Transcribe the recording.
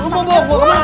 lu mau bawa gua kemana